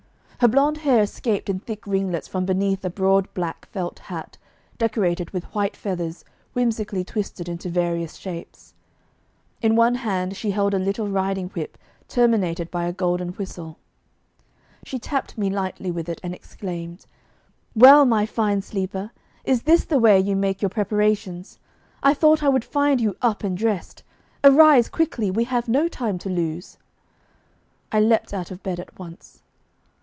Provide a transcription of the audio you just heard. Her blond hair escaped in thick ringlets from beneath a broad black felt hat, decorated with white feathers whimsically twisted into various shapes. In one hand she held a little riding whip terminated by a golden whistle. She tapped me lightly with it, and exclaimed: 'Well, my fine sleeper, is this the way you make your preparations? I thought I would find you up and dressed. Arise quickly, we have no time to lose.' I leaped out of bed at once.